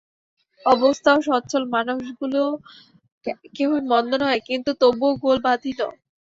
অবস্থাও সচ্ছল, মানুষগুলিও কেহই মন্দ নহে, কিন্তু তবুও গোল বাধিল।